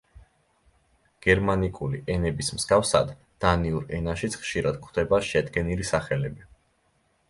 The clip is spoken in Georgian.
გერმანიკული ენების მსგავსად, დანიურ ენაშიც ხშირად გვხვდება შედგენილი სახელები.